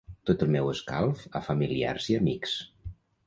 Tot el meu escalf a familiars i amics.